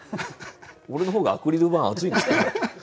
俺の方がアクリル板厚いんですか？